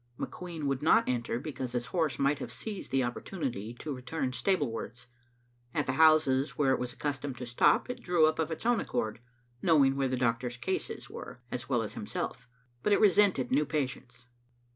McQueen would not enter, because his horse might have seized the opportunity to return stablewards. At the houses where it was accustomed to stop, it drew up of its own accord, knowing where the Doctor's "cases" were as well as himself, but it resented new patients.